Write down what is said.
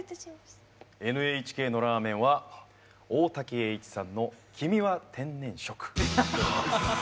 ＮＨＫのラーメンは大滝詠一さんの「君は天然色」。